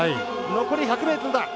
残り１００ｍだ。